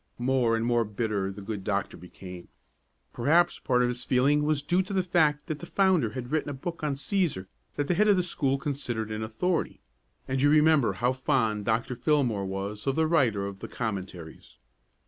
More and more bitter the good doctor became. Perhaps part of his feeling was due to the fact that the Founder had written a book on Cæsar that the head of the school considered an authority, and you remember how fond Dr. Fillmore was of the writer of the "Commentaries."